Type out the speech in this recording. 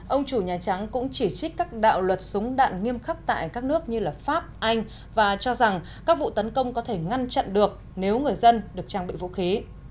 ông chủ nhà trắng cũng chỉ trích các đạo luật súng đạn nghiêm khắc tại các nước như pháp anh và cho rằng các vụ tấn công có thể ngăn chặn được nếu người dân được trang bị vũ khí